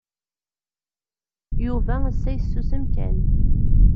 Yuba assa yessusem kan.